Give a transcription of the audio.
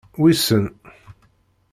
Wissen!